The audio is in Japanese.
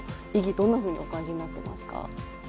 どんなふうにお感じになってますか？